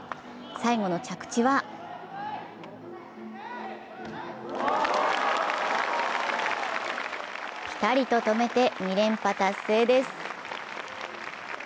最後の着地はぴたりと止めて、２連覇達成です。